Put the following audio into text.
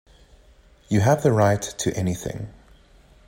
You have the right to anything.